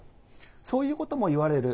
そういうことも言われる。